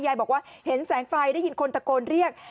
ยายบอกว่าเห็นแสงไฟได้ยินคนตะโกนเรียก